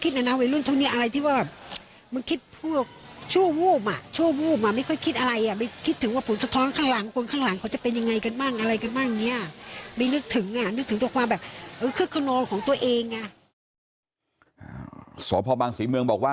สวพบางศรีเมืองบอกว่ามันก็แยกเป็นอะไรนะครับ